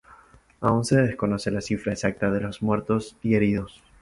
Aún se desconoce la cifra exacta de los muertos y heridos.